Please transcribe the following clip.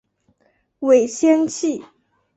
尾纤细。